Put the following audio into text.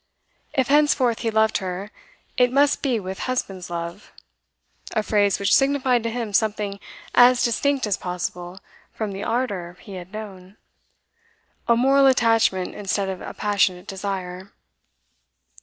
If henceforth he loved her, it must be with husband's love a phrase which signified to him something as distinct as possible from the ardour he had known; a moral attachment instead of a passionate desire.